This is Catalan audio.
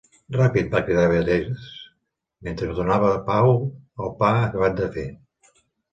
"Ràpid!", va cridar Beatrice, mentre donava a Paul el pa acabat de fer.